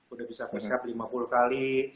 udah bisa push cup lima puluh kali